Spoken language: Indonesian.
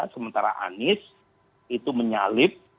sementara anies itu menyalib